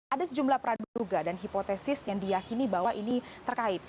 ada sejumlah peraduga dan hipotesis yang diyakini bahwa ini terkait